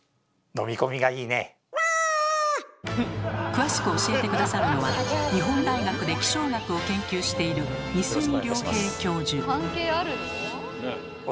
詳しく教えて下さるのは日本大学で気象学を研究している雲？